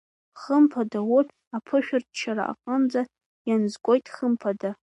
Хымԥада урҭ аԥышәырччара аҟнынӡа ианзгоит, хымԥада!